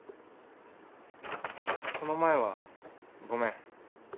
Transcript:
この前はごめん。